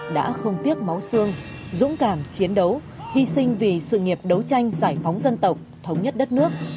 đã không tiếc máu xương dũng cảm chiến đấu hy sinh vì sự nghiệp đấu tranh giải phóng dân tộc thống nhất đất nước